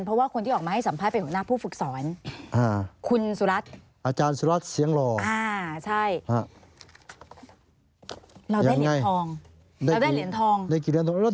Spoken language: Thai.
เพราะว่าคนที่ออกมาให้สัมภาษณ์เป็นหลอกหน้าผู้ฝึกศ้อน